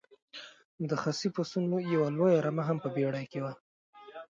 د خسي پسونو یوه لویه رمه هم په بېړۍ کې وه.